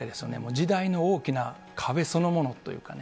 時代の大きな壁そのものというかね。